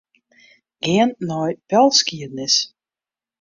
Gean nei belskiednis.